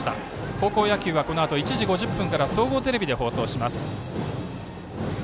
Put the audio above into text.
高校野球はこのあと１時５０分から総合テレビで放送します。